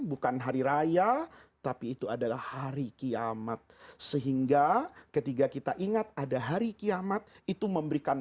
bukan hari raya tapi itu adalah hari kiamat sehingga ketika kita ingat ada hari kiamat itu memberikan